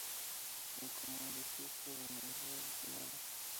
Es muy común en el Desierto de Mojave y en el de Sonora.